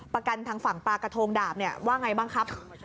ประกันทางฝั่งปลากระทงดาบเนี่ยว่าไงบ้างครับ